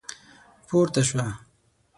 پورته شوه.